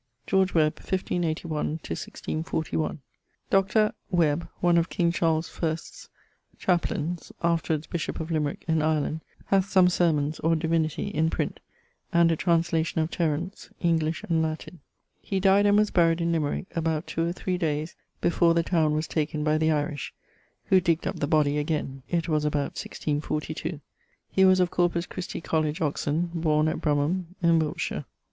=George Webb= (1581 1641). Dr. ... Webbe, one of king Charles I's chaplaines, afterwards bishop of Limrick in Ireland, hath some sermons, or divinity, in print; and a translation of Terence, English and Latin. He dyed and was buried in Limrick about two or three daies before the towne was taken by the Irish, who digged up the body again it was about 1642. He was of Corpus Christi College, Oxon: borne at Brumhum in Wiltshire.